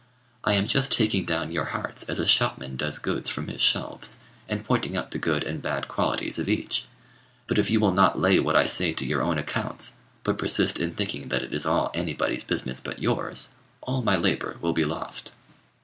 I am just taking down your hearts as a shopman does goods from his shelves, and pointing out the good and bad qualities of each; but if you will not lay what I say to your own accounts, but persist in thinking that it is all anybody's business but yours, all my labour will be lost.